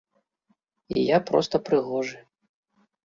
І я проста прыгожы.